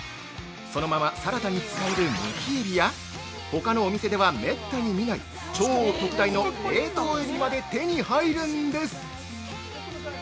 そのままサラダに使えるむきエビや、ほかのお店ではめったに見ない超特大の冷凍エビまで手に入るんです。